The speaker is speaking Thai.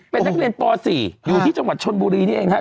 เป็นนักเรียนป๔อยู่ที่จังหวัดชนบุรีนี่เองนะครับ